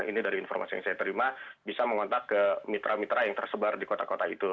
ini dari informasi yang saya terima bisa mengontak ke mitra mitra yang tersebar di kota kota itu